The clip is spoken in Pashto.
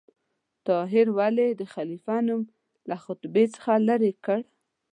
طاهر ولې د خلیفه نوم له خطبې څخه لرې کړ؟